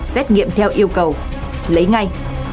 xét nghiệm theo yêu cầu lấy ngay